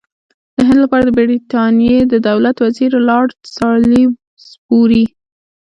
د هند لپاره د برټانیې د دولت وزیر لارډ سالیزبوري.